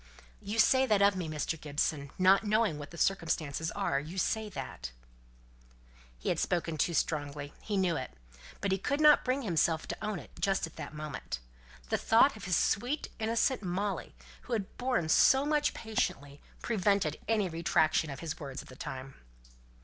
"You say that of me, Mr. Gibson? Not knowing what the circumstances are, you say that?" He had spoken too strongly: he knew it. But he could not bring himself to own it just at that moment. The thought of his sweet innocent Molly, who had borne so much patiently, prevented any retractation of his words at the time.